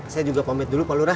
saya juga pamit dulu pak lora